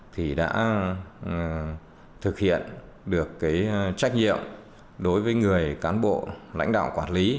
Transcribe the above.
thì đã thực hiện được cái trách nhiệm đối với người cán bộ lãnh đạo quản lý